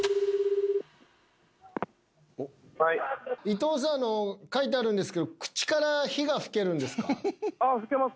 伊東さん書いてあるんですけど口から火が吹けるんですか？